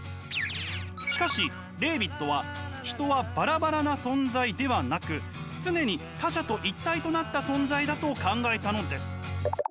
しかしレーヴィットは人はバラバラな存在ではなく常に他者と一体となった存在だと考えたのです。